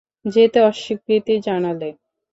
যেতে অস্বীকৃতি জানালে।